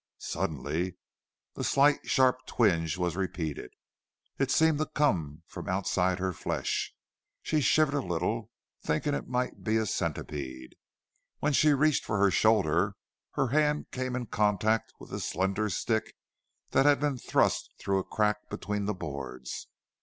Suddenly the slight sharp twing was repeated. It seemed to come from outside her flesh. She shivered a little, thinking it might be a centipede. When she reached for her shoulder her hand came in contact with a slender stick that had been thrust through a crack between the boards.